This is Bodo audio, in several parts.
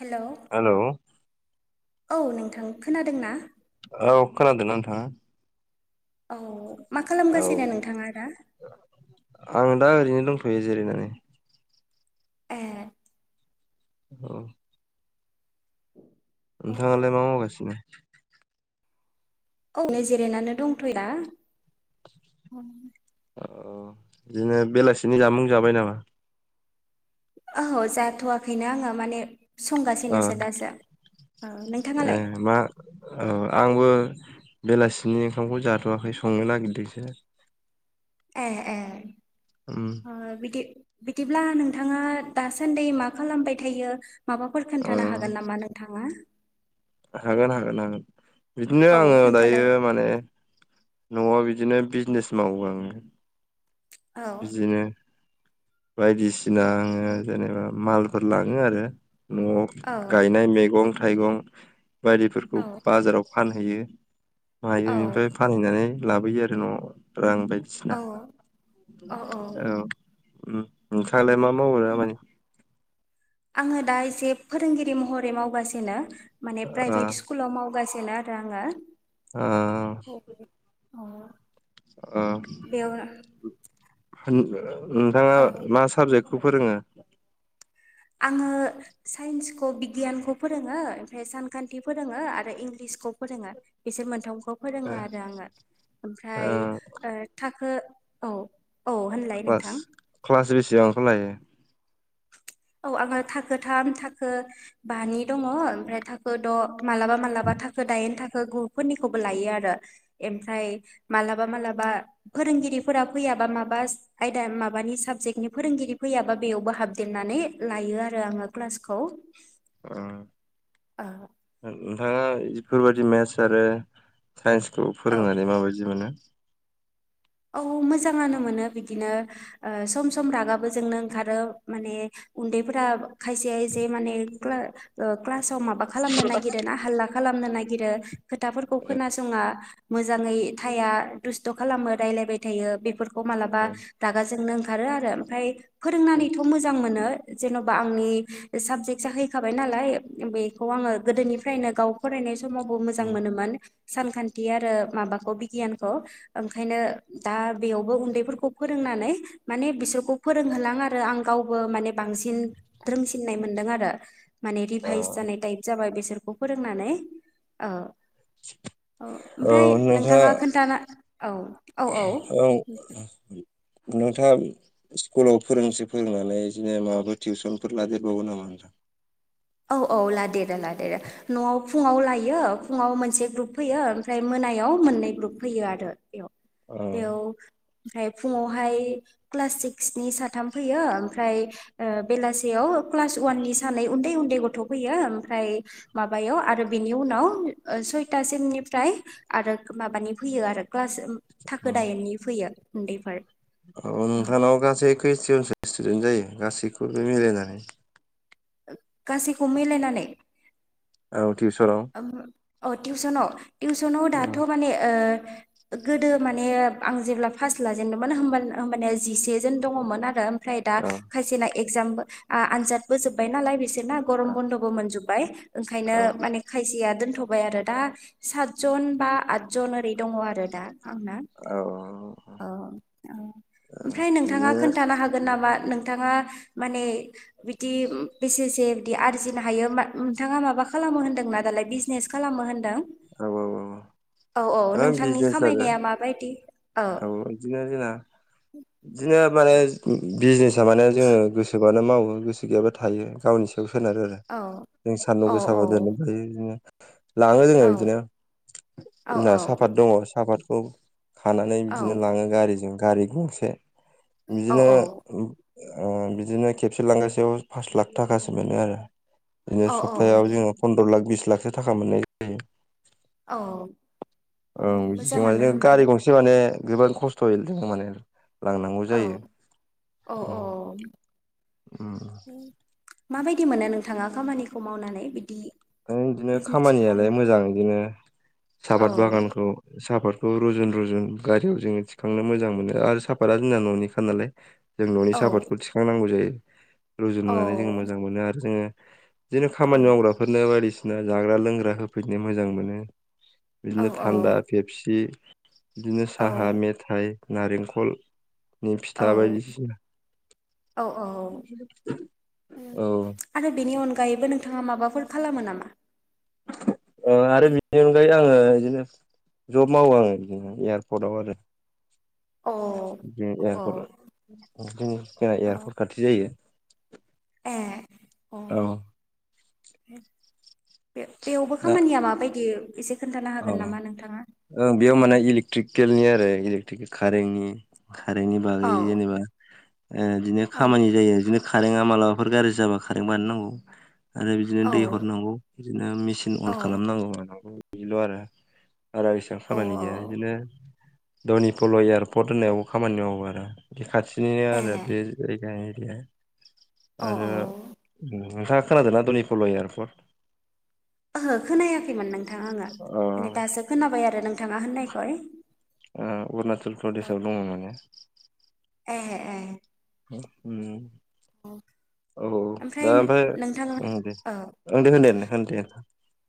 हेलौ हेलौ औ नोंथां खोनादों ना? औ खोनादोंना नोंथाङा? औ मा औ खालामगासिनो नोंथाङा दा? आं दा ओरैनो दंथ'यो जिरायनानै ए औ नोंथाङालाय मा मावगासिनो? औनो जिरायनानै दंथ'यो अ बिदिनो बेलासिनि जामुं जाबाय नामा? ओहो जाथ'वाखैनो आङो माने ओ संगासिनोसो दासो औ नोंथाङालाय अ बेलासिनि ओंखामखौ जाथ'वाखै संनो नागिरदोंसो ए ए उम अ बिदि बिदिब्ला नोंथाङा दासान्दि मा खालामबाय थायो? माबाफोर ओ खोन्थानो हागोन नामा नोंथाङा? हागोन हागोन हागोन बिदिनो औ आङो खोन्थालाय दायो माने न'आव बिदिनो बिजनेस मावो आङो औ बिदिनो बायदिसिना आङो जेनेबा मालफोर लाङो आरो न'आव औ गायनाय मैगं थाइगं बायदिफोरखौ औ बाजाराव फानहैयो। औ मायो बेनिफ्राय फानहैनानै लाबोयो आरो न' रां औ बायदिसिना औ औ उम नोंथाङा लाय मा मावो औ दामानि? आङो दा एसे फोरोंगिरि महरै मावगासिनो माने ओ प्राइभेट स्कुलाव मावगासि नो आरो आङो ओ औ ओ बेयाव नोंथाङा औ मा साबजेक्ट खौ फोरोङो। आङो साइन्सखौ बिगियानखौ फोरोङो ओमफ्राय सानखान्थि फोरोङो आरो इंलिस खौ फोरोङो बिसोर मोनथाम खौ फोरोङो ओ आरो आङो ओ ओमफ्राय थाखो औ औ होनलाय क्लास नोंथां क्लास बेसेबांखौ लायो? औ आङो थाखोथाम थाखो बानि दङ ओमफ्राय थाखो द' मालाबा मालाबा थाखो दायनि था खो गुफोरनिखौबो लायो आरो मफ्राय मालाबा मालाबा फोरोंगिरिफोरा फैया माबा माबा आयदा माबानि साबजेक्टनि फोरोंगिरि फैयाबा बेयावबो हाबदेरनानै लायो आरो आङो क्लासखौ ओं नोंथाङा बेफोरबायदि मेटस आरो साइन्सखौ औ फोरोंनानै माबायदि मोनो? औ मोजाङानो मोनो बिदिनो सम सम रागाबो जोंनो ओंखारो माने। उन्दैफोरा खायसे खायसे माने क्लास। आव माबा खालामनो नागिरो ना हालला खालामनो नागिरो खोथाफोरखौ खोनासङा मोजाङै थाया दुस्थ' खालामो रायलायबाय थायो बेफोरखौ मालाबा ओ रागाजोंनो। ओंखारो आरो ओमफ्राय ओ फोरोंनानैथ' मोजां मोनो। जेन'बा आंनि साबजेक्ट जाहैखाबाय नालाय बेखौ आङो गोदोनिफ्रायनो गाव फरायनाय। समावबो मोजां ओ मोनोमोन सानखान्थि आरो माबाखौ बिगियानखौ। ओंखायनो दा बेयावबो उन्दैफोरखौ फोरोंनानै माने बिसोरखौ फोरोंहोलां आरो आं गावबो माने बांसिन रोंसिननाय मोनदों आरो। माने औ रिभाइस जानाय टाइप जाबाय बेसोरखौ फोरोंनानै औ। औ ओमफ्राय नोंथाङा खोन्थाना औ औ। नोंथाङा स्कुलाव फोरोंसै फोरोंनानै बिदिनो माबाफोर टिउसनफोर लादेरबावगो नामा? [inaudible] औ औ लादेरो लादेरो न'आव फुङाव लायो फुङाव मोनसे ग्रुप फैयो ओमफ्राय मो नायाव मोननै ग्रु फयो आरो बेयाव औ बेयाव। ओमफ्राय फुङावहाय क्लास सिक्सनि साथाम फैयो ओमफ्राय बेलासेयाव क्लास ववाननि सानै उन्दै उ न्दै गथ' फैयो ओमफ्राय माबायाव आरो बिनि उनाव सयथासिमनिफ्राय आरो माबानि फैयो आरो क्लास थाखो दाइेननि फैयो उन्दैफोर। नोंथांनाव गासै क्रिसटियनसलिस स्टुडेन्ट जायो गासैखौबो मिलायनानै। गासैखौ मिलायनानै औ टिउसनाव? औ टिउसनाव टिउसनाव औ दाथ' माने गोदो माने आं जेब्ला फास लाजेनदोंमोन होमबा माने जिसे जोन दङमोन आरो। ओमफ्राय दा औ खायसेना एक्जाम आनजादबो जोब्बाय नालाय बिसोरना गरम बन्द'बो मोनजोब बाय ओंखायनो माने खायसेया दोनथ'बाय आरो दा सात जन बा आठजन ओरै दङ आरो दा। औ। औ औ ओमफ्राय नोंथाङा बिदिनो खोन्थानो हागोन नामा नोंथाङा माने बिदि बेसेसे बिदि आरजिनो हायो नोंथाङा माबा खालामो होन्दोंना? आदालाय बिजनेस खालामो होन्दों? औ औ औ नोंथांनि बिजनेस आरो खामायनाया माबायदि? औ बिदिनो जोंना जोना नो माने बिजनेसा माने जोङो गोसोबानो मावो गोसो गैयाबा थायो गावनि सायाव। सोनारो आरो औ जों सान्दुं औ गोसाबा दोननो हायो बिदिनो। लाङो जोङो औ बिदिनो औ जोंना साहापात दङ साहापातखौ। खानानै औ बिदिनो लाङो गारिजों गारि गंसे औ बिदिनो बिदिनो खेबसे लांगासेयाव पास लाख थाखासो मोनो आरो। बिदिनो औ सप्तायाव जोङो फन्द्र' लाख बिस लाखसो थाखा मोननाय जायो। औ। औ ओं बिजों मोजाङानो माने गारि होमबालाय गंसे माने गोबां खस्थ'यै जों माने। लांनांगौ औ जायो। औ औ माबायदि मोनो नोंथाङा खामानिखौ मावनानै बिदि। बिदिनो बिजनेसखौ खामानियालाय मावनो मोजां बिदिनो औ साहापात बागानखौ साहाफात। रुजुन रुजुन गारियाव जोङो थिखांनो मोजां मोनो आरो साफाता जोंना न'निखा नालाय। जों न'नि औ साहापादखौ थिखांनांगौ जायो रुजुननानै जोङो औ मोजां मोनो आरो जोङो। बिदिनो खामानि औ मावग्राफोरनो बायदिसिना जाग्रा लोंग्रा होफैनो मोजां मोनो औ बिदिनो थान्दा फेपसि बिदिनो औ साहा मेथाइ नारेंखलनि फिथा बायदिसिना औ औ औ औ आरो बेनि अन गायैबो नोंथाङा माबाफोर खालामो नामा? ओ आरो अ बेनि अनगायै आङो ओ बिदिनो जब मावो आङो बिदिनो एयारपर्टआव आरो ओम अ एयारपर्ट जोंना अ औ एयारपर्ट खाथि जायो ए अ औ बे बेयावबो दा खामानिया माबायदि एसे खोन्थानो औ हागोन नामा नोंथाङा? ओं बेयाव माने इलेक्ट्रिकेलनि आरो इलेकट्रिकेल कारेन्टनि कारेन्टनि औ बागै जेनेबा बिदिनो औ खामानि जायो बिदिनो कारेङा मालाबाफोर गाज्रि जाबा कारें बानायनांगौ आरो बिदिनो दै औ हरनांगौ बिदिनो मि मेचिन अन औ खालामनांगौ मानांगौ बिदिल' आरो बारा इसेबां औ खामानि गैया बिदिनो धनिपल' एयारपर्ट होननायावबो खामानि मावो आरो बे खाथिनिनो ए आरो बे जायगानि ए औ आरो नोंथाङा खोनादोंना धनिपल' एयारपर्ट? ओहो खोनायाखैमोन नोंथाङा आङो ओ माने दासो खोनाबाय आरो नोंथाङा होननायखाय ओ अरुणचल प्रदेशआव दङ माने ए ए उम औ औ दा ओमफ्राय ओं दे औ ओं दे होनदे होन दे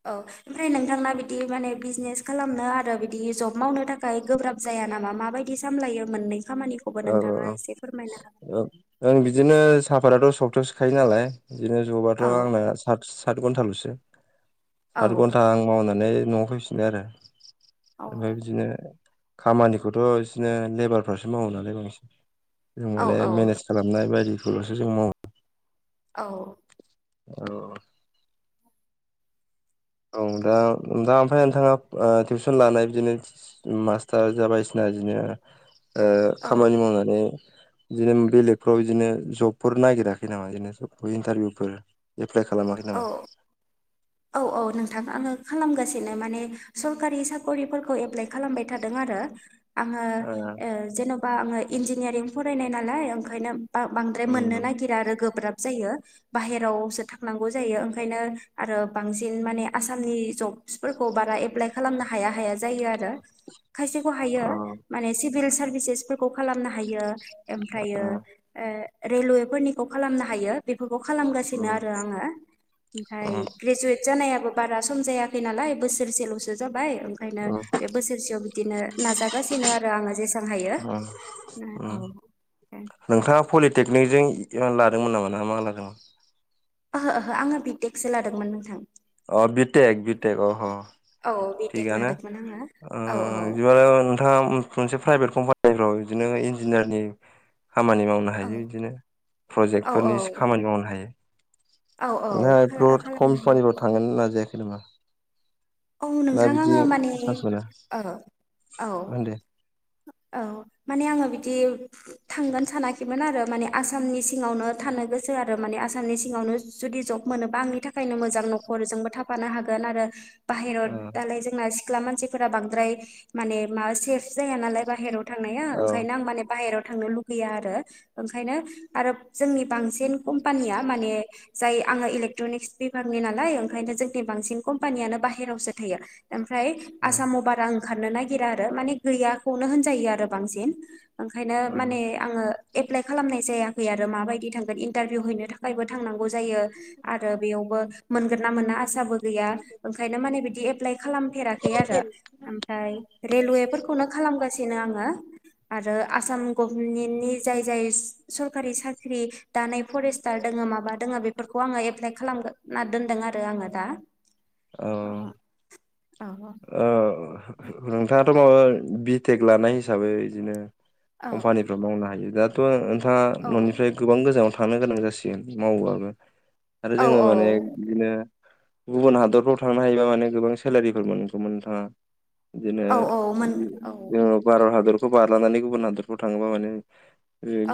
औ ओमफ्राय नोंथांना बिदि माने बिजनेस खालामनो आरो बिदि जब मावनो थाखाय गोब्राब जाया नामा माबायदि सामलायो? मोननै खामानिखौबो औ नोंथाङा एसे फोरमायनो हो औ ओं बिदिनो साफातथ' सब्तायावसो खायो नालाय बिदिनो जबाथ' औ आंना सात सात घन्टाल'सो औ सात घन्टा आं मावनानै न'आव फैफिनो आरो औ ओमफ्राय बिदिनो खामानिखौथ' बिदिनो लेबारफ्रासो मावो नालाय बांसिन जों औ माने औ मेनेज खालामनाय बायदिखौल'सो जों मावो औ औ औ दा दा ओमफाय नोंथाङा ओटिउसन लानाय बिदिनो मास्टार जाबायदिसिना बिदिनो ओ औ खामानि मावनानै बिदिनो बेलेगफ्राव बिदिनो जबफोर नायगिराखै नामा बिदिनो जब इन्टारभिउफोर एप्लाइ खालामाखै नामा? औ औ औ नोंथां आङो खालामगासिनो माने सरकारि साकरिफोरखौ एप्लाइ खालामबाय थादों आरो आरो आङो ओ जेन'बा आङो इन्जिनियारिं फरायनाय नालाय ओंखायनो बांद्राय मोननो उम नागिरा आरो गोब्राब जायो बाहेरावसो थांनांगौ जायो ओंखायनो आरो बांसिन माने आसामनि जब्सफोरखौ बारा एप्लाइ खालामनो हाया हाया जायो आरो खायसेखौ हायो अ माने सिभिल सार्भिसेस फोरखौ खालामनो हायो। ओमफ्रायो ओ ओ रेलवे फोरनिखौ खालामनो हायो बे फोरखौ खालामगासिनो उम आरो आङो ओमफ्राय उम ग्रेजुवेट जानायाबो बारा सम जायाखै नालाय बोसोरसेल'सो जादों बाय ओंखायनो उम बे बोसोरसेयाव बिदिनो नाजागासिनो आरो आङो जेसां हायो औ ओम ओहो नोंथाङा पलिटेक् निजों लादोंमोन नामा नोंहा मा लादों? ओहो ओहो आङो बिटेकसो लादोंमोन नोंथां अ बिटेक बिटेक अह औ बिटेक थिगनो लादोंमोन आङो औ बिदिबालाय नोंथाङा मोनसे प्राइभेट कम्पा निफ्राव बिदिनो इन्जिनियारनि खामानि मावनो औ हायो बिदिनो औ प्रजेक्टफोरनि खामानि मावनो हायो। औ औ ना [unintelligible] खालामनो हायो खमपानिफ्राव थांगोन नाजायाखै नामा? औ ना नोंथां बिदि आङो माने चान्स मोना औ होनदो औ माने आङो बिदि थांगोन सानाखै। आरो माने आसामनि सिङावनो थानो गोसो आरो माने आसामनि सिङावनो जुदि जब मोनोबा आंनि थाखायनो मोजां नखरजोंबो थाफानो हागोन आरो। बाहेरायाव औ दालाय जोंना सिख्ला मानसिफोरा बांद्राय माने माबा सेफ जाया नालाय बाहेरायाव थांनाया ओंखायनो आं माने बाहेराव थांनो लुुबैया आरो ओंखायनो आरो जोंनि बांसिन कम्पानिया माने जाय आङो इलेकट्रनिक्स बिभागनि नालाय ओंखायनो बांसिन कम्पानियानो बाहे रावसो थायो। ओमफ्राय औ आसामाव बारा ओंखारनो नागिरा आरो माने गैयाखौनो होनजायो आरो बांसिन ओंखायनो माने आङो एप्लाइ खालामनाय जायाखै आरो माबायदि थांगोन इन्टारभिउ हैनो थाखायबो थांनां गौ जायो आरो बेयावबो मोनोन ना मोना आसाबो गैया। नो माने बिदि एप्लाइ खालामफेराखै आरो ओमफ्राय रेलवेफोरखौनो खालामगासिनो आङो। आरो आसाम गभमेन्टनि जाय जाय सरकारि साख्रि दानाय फरेस्टार दोङो माबा दोंङो बेफोरखौ आङो एप्लाइ खालामना दोनदों आरो आङो दा औ ओ [unintelligible] नोंथाङाथ' माबा बिटेक लानाय हिसाबै बिदिनो औ कम्पानिफ्राव मावनो हायो। दाथ' नोंथाङा औ न'निफ्राय गोबां गोजानाव थांनो गोनां जासिगोन मावोबाबो आरो औ जोङो माने बिदिनो गुबुन हादरफ्राव थांनो हायोबा माने गोबां सेलारिफोर मोन गौमोन नोंथाङा बिदिनो औ औ मोन औ [unintelligible] भारत हादर खौ बारलांनानै गुबुन हादफ्राव थाङोबा मानि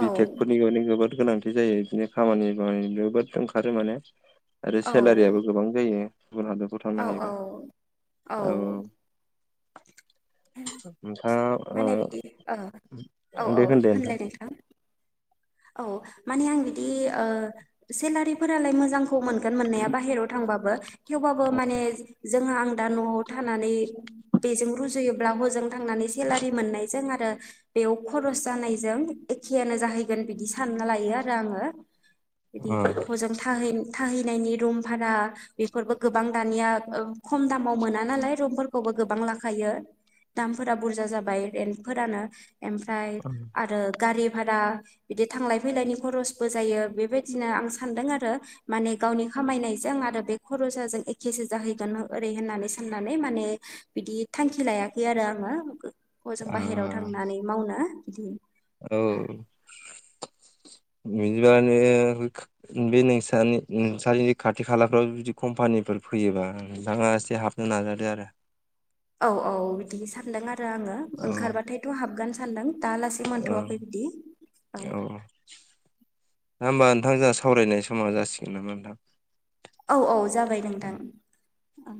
औ बिटेकफोरनि [unintelligible] गोनांथि जायो बिदिनो खामानि बामानि जोबोद ओंखारो माने। आरो औ सेलारियाबो गोबां जायो गुबुन हादराव थांनो औ औ हायोबा औ नोंथाङा माने बिदि औ औ दे औ होनदे नोंथां होनलाय [inaudible] औ माने आं बिदि सेलारिफोरालाय मोजां थ मोनगोन मोननाया बाहेरायाव थांबाबो। थेवबाबो माने जोंहा आं दा न'आव थानानै बेजों रुजुयोब्ला हजों थांनानै सेलारि मोननायजों आरो बेयाव खरस जानायजों एखेनो जाहै बिदि सानना लायो आरो आङो बिदि हजों थाहै थाहैनायनि रुम भारा बेफोरबो गोबां दानिया खम दामाव मोना नालाय रुमफोरखौबो गोबां लाखायो दामफोरा बुरजा जाबाय रेन्टफोरानो। ओमफ्राय आरो गारि भारा बिदि थांलाय फैलायनि खरसबो जायो बेबायदिनो आं सान्दों आरो माने गावनि खामायनायजों आं आरो बे खरसाजों एखेसो जाहैगोन ओरै होननानै साननानै माने बिदि थांखि लायाखै आरो। आरो आङो हजों अ बाहेरायाव थांनानै मावनो बिदि औ बा बिदिबानो बे नोंस नोंसनि खाथि खालाफ्राव बिदि खमफ पानिफोर फैयोबा नोंथाङा एसे हाबनो नाजादो आरो। औ औ बिदि सानदों आरो आङो औ ओंखारबाथायथ हाबगोन सानदों। दालासेै औ मोनथवाखै बिदि औ ना होमबा नोंथां जोंहा सावरायनाय समाव जासिगोन नामा नोंथां? औ औ जाबाय नोंथां औ